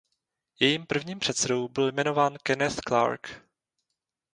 Jejím prvním předsedou byl jmenován Kenneth Clark.